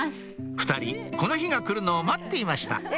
２人この日が来るのを待っていましたえ